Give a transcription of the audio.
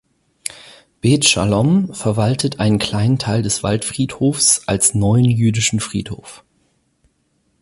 Beth Schalom verwaltet einen kleinen Teil des Waldfriedhofs als "Neuen jüdischen Friedhof".